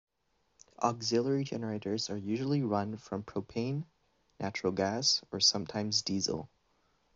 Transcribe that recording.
Auxiliary generators are usually run from propane, natural gas, or sometimes diesel.